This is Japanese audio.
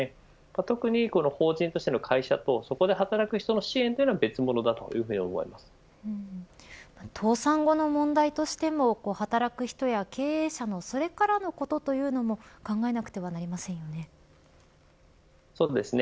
特に法人としての会社と、そこで働く人の支援というは倒産後の問題としても働く人や経営者のそれからのことというのもそうですね。